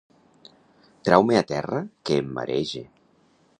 Trau-me a terra que em marege.